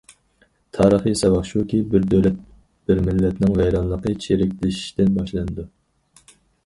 تارىخىي ساۋاق شۇكى، بىر دۆلەت، بىر مىللەتنىڭ ۋەيرانلىقى چىرىكلىشىشتىن باشلىنىدۇ.